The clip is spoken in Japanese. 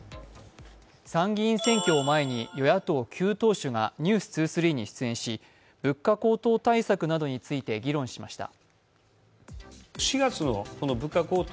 参議院選挙を前に与野党９党首が「ｎｅｗｓ２３」に出演し物価高騰対策などについて議論しました。